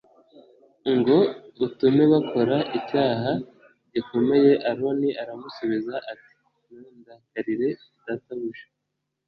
Ngo utume bakora icyaha gikomeye aroni aramusubiza ati ntundakarire databuja